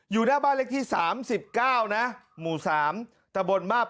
อยู่หน้าบ้านเล็กที่๓๙หมู่๓ตรมภ